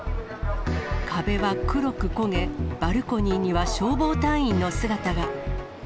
壁は黒く焦げ、バルコニーには消防隊員の姿が。